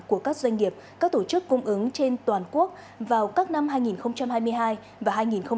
của các doanh nghiệp các tổ chức cung ứng trên toàn quốc vào các năm hai nghìn hai mươi hai và hai nghìn hai mươi hai